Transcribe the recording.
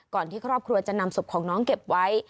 ที่ครอบครัวจะนำศพของน้องเก็บไว้